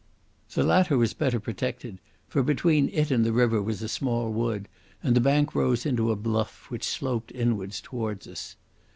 The latter was better protected, for between it and the river was a small wood and the bank rose into a bluff which sloped inwards towards us.